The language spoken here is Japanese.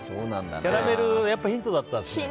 キャラメル、やっぱヒントだったんですね。